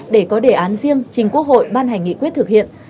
để có đề án riêng trình quốc hội ban hành nghị quyết thực hiện